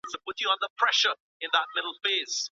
په جرګه کي بې عدالتي نه کېږي.